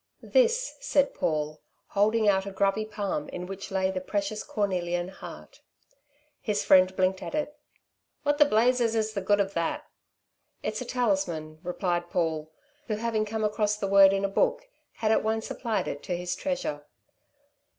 "This," said Paul, holding out a grubby palm in which lay the precious cornelian heart. His friend blinked at it. "Wot the blazes is the good of that?" "It's a talisman," replied Paul, who, having come across the word in a book, had at once applied it to his treasure.